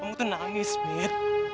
kamu tuh nangis minta